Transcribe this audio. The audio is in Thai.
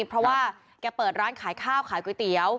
เพราะว่าแกเปิดร้านขายข้าวขายก๋วยเตี๋ยว